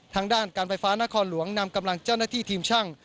ทางด้านการไฟฟ้านครหลวงนำกำลังเจ้าหน้าที่ทีมช่าง